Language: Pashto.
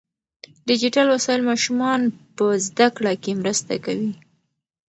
ډیجیټل وسایل ماشومان په زده کړه کې مرسته کوي.